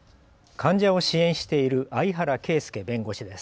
患者を支援している相原啓介弁護士です。